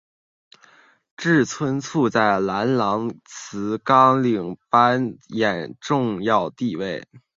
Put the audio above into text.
志村簇在郎兰兹纲领扮演重要地位。